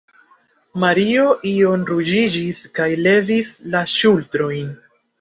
Mario iom ruĝiĝis kaj levis la ŝultrojn.